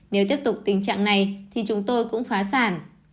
nếu tiếp tục tình trạng này thì chúng tôi cũng phá sản